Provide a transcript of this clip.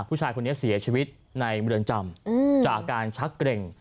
ผู้ชายคนนี้เสียชีวิตในเมืองจำจากอาการชักเกร็ง